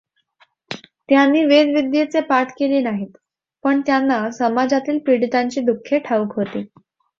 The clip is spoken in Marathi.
त्यांनी वेद विद्येचे पाठ केले नाहीत, पण त्यांना समाजातील पीडितांची दुःखे ठाऊक होती.